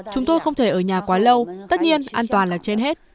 chúng tôi không thể ở nhà quá lâu tất nhiên an toàn là trên hết